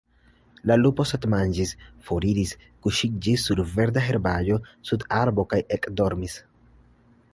La lupo satmanĝis, foriris, kuŝiĝis sur verda herbaĵo sub arbo kaj ekdormis.